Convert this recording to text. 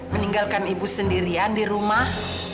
meninggalkan ibu sendirian di rumah